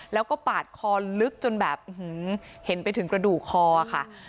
แล้วก็ปาดคอลึกจนแบบเห็นไปถึงกระดูกคอค่ะ